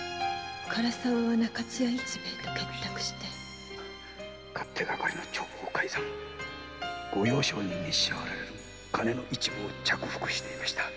唐沢は中津屋市兵衛と結託し勝手係の帳簿を改ざんして御用商人に支払われる金の一部を着服していました。